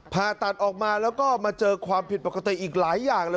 ผ่าตัดออกมาแล้วก็มาเจอความผิดปกติอีกหลายอย่างเลย